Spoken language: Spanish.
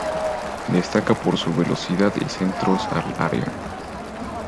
Destaca por su velocidad y centros al área.